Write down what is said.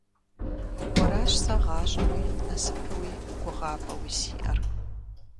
Уэращ сэ гъащӀэуи, насыпуи, гугъапӀэуи сиӀэр.